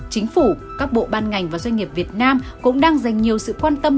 chính phủ các bộ ban ngành và doanh nghiệp việt nam cũng đang dành nhiều sự quan tâm